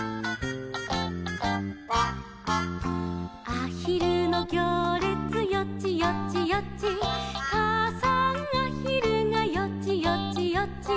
「あひるのぎょうれつよちよちよち」「かあさんあひるがよちよちよち」